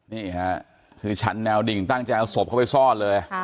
นี่ค่ะคือฉันแนวดิ่งตั้งใจเอาศพเข้าไปซ่อนเลย